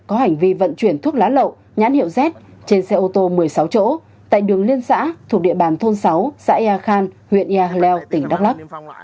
có hành vi vận chuyển thuốc lá lậu nhãn hiệu z trên xe ô tô một mươi sáu chỗ tại đường liên xã thuộc địa bàn thôn sáu xã ea khan huyện ea hleu tỉnh đắk lóc